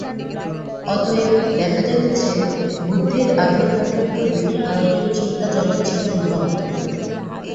অতএব দেখা যাইতেছে, বুদ্ধের আবির্ভাবের পূর্বে ভারতের চিন্তা-জগৎ ছিল বিভক্ত।